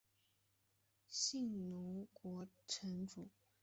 信浓国城主。